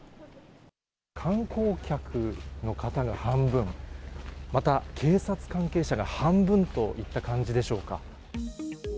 観光客の方が半分、また、警察関係者が半分といった感じでしょうか。